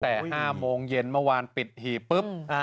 แต่๕โมงเย็นเมื่อวานปิดหีบปุ๊บ